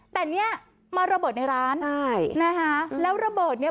แต่เนี่ยมาระเบิดในร้านใช่นะคะแล้วระเบิดเนี้ย